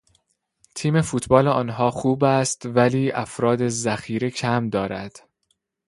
تیم فوتبال آنها خوب است ولی افراد ذخیره کم دارد.